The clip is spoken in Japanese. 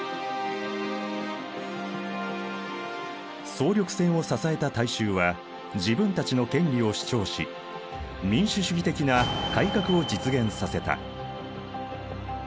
総力戦を支えた大衆は自分たちの権利を主張し民主主義的な改革を実現させた。